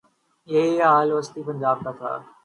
یہی حال وسطی پنجاب کا تھا۔